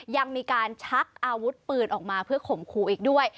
ยังมีการชักอาวุธปืนออกมาเพื่อข่มขู่อีกด้วย